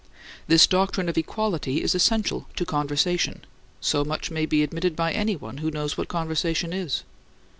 This doctrine of equality is essential to conversation; so much may be admitted by anyone who knows what conversation is.